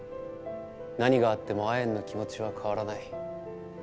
何があってもアエンの気持ちは変わらない。